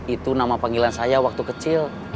itu nama panggilan saya waktu kecil